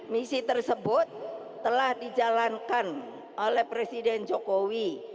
misi tersebut telah di jalankan oleh presiden jokowi